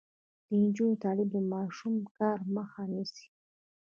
د نجونو تعلیم د ماشوم کار مخه نیسي.